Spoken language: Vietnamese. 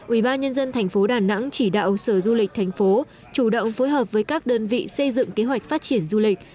ủy ban nhân dân thành phố đà nẵng chỉ đạo sở du lịch thành phố chủ động phối hợp với các đơn vị xây dựng kế hoạch phát triển du lịch